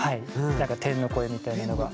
なんか天の声みたいなのが。